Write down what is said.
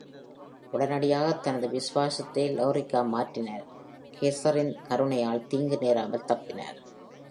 உடனடியாகத் தனது விசுவாசத்தை Lucera மாற்றினார்; Caesar-இன் கருணையால் தீங்கு நேராமல் தப்பினார்.